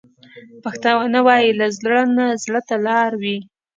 پښتانه وايي: له زړه نه زړه ته لارې وي.